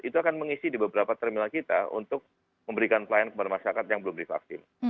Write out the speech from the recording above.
itu akan mengisi di beberapa terminal kita untuk memberikan pelayanan kepada masyarakat yang belum divaksin